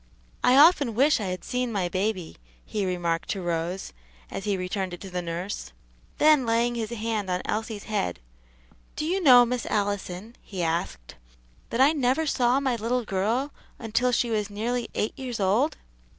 "I often wish I had seen my baby," he remarked to Rose, as he returned it to the nurse. Then laying his hand on Elsie's head, "Do you know, Miss Allison," he asked, "that I never saw my little girl until she was nearly eight years old?"